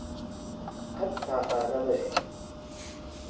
قەت تاقانە مەژی